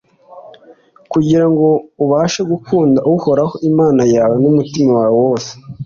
kugira ngo ubashe gukunda uhoraho imana yawe n’umutima wawe wose,